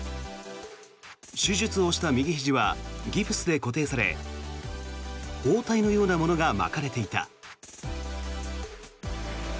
手術をした右ひじはギプスで固定され包帯のようなものが巻かれていた。